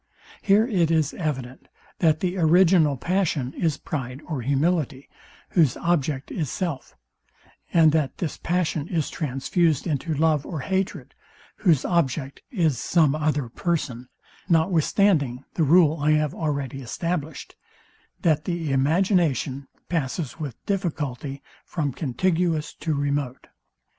Here it is evident, that the original passion is pride or humility, whose object is self; and that this passion is transfused into love or hatred, whose object is some other person, notwithstanding the rule I have already established, THAT THE IMAGINATION PASSES WITH DIFFICULTY FROM CONTIGUOUS TO REMOTE.